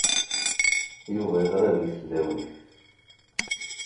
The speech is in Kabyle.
Yuba yeɣra deg tesdawit.